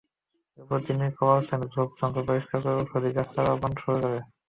এরপর তিনি কবরস্থানের ঝোপ-জঙ্গল পরিষ্কার করে ঔষধি গাছের চারা রোপণ শুরু করেন।